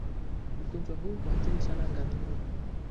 Ugonjwa huu huathiri sana ngamia